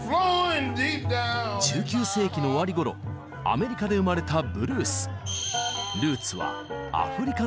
１９世紀の終わり頃アメリカで生まれたブルース。